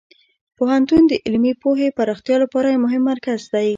پوهنتون د علمي پوهې پراختیا لپاره یو مهم مرکز دی.